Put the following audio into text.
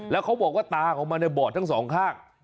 แล้วเขาบอกว่าตาของมันในบอดทั้งสองข้าง